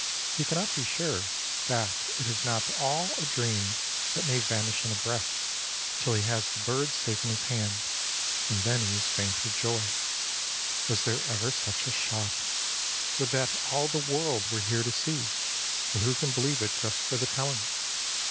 He cannot be sure that it is not all a dream that may vanish in a breath, till he has the bird safe in his hand, and then he is faint with joy. Was there ever such a shot? Would that all the world were here to see, for who can believe it just for the telling?